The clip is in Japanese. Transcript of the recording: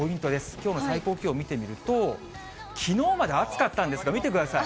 きょうの最高気温を見てみると、きのうまで暑かったんですが、見てください。